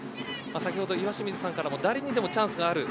先ほど、岩清水さんの誰にでもチャンスがある。